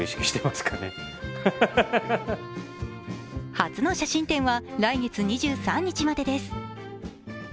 初の写真展は来月２３日までです。